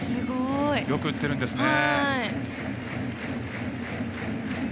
よく打っているんですね。